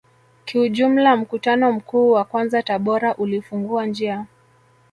Kiujumla mkutano mkuu wa kwanza Tabora ulifungua njia